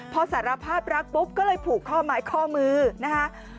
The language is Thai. พอสารภาพรักปุ๊บก็เลยผูกข้อไม้ข้อมือนะคะ